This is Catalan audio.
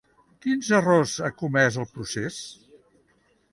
Quins errors ha comès el procés?